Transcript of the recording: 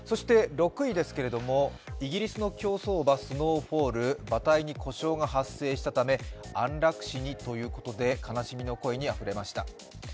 ６位ですけれども、イギリスの競走馬、スノーフォール馬体に故障が発生したため安楽死にということで悲しみの声にあふれました。